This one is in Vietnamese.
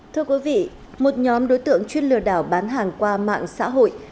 thưa quý vị một nhóm đối tượng chuyên lừa đảo bán hàng qua mạng xã hội